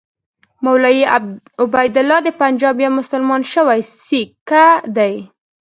مولوي عبیدالله د پنجاب یو مسلمان شوی سیکه دی.